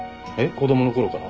子供のころから？